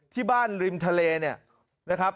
ที่บ้านริมทะเลเนี่ยนะครับ